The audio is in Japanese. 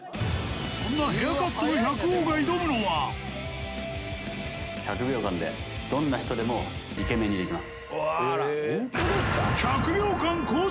そんなヘアカットの百王が挑むのは１００秒間でどんな人でもイケメンにできます